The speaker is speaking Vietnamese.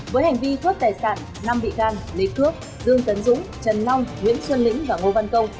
với hành vi thuốc tài sản năm bị can lê cước dương tấn dũng trần long nguyễn xuân lĩnh và ngô văn công